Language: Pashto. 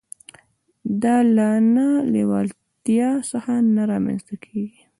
دا له نه لېوالتيا څخه نه رامنځته کېږي.